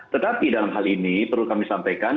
tetapi dalam hal ini perlu kami sampaikan